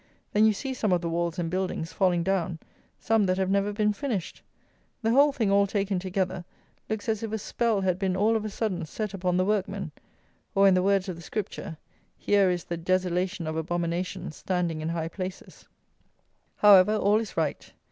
Then you see some of the walls and buildings falling down; some that have never been finished. The whole thing, all taken together, looks as if a spell had been, all of a sudden, set upon the workmen; or, in the words of the Scripture, here is the "desolation of abomination, standing in high places." However, all is right.